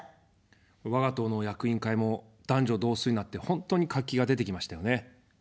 我が党の役員会も男女同数になって本当に活気が出てきましたよね。